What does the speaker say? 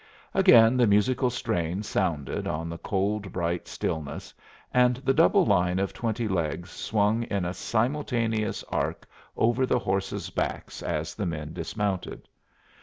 Again the musical strain sounded on the cold, bright stillness, and the double line of twenty legs swung in a simultaneous arc over the horses' backs as the men dismounted.